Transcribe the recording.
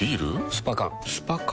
スパ缶スパ缶？